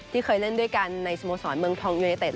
ที่เคยเล่นด้วยกันในสมสรรค์เมืองทองยูเนเทศ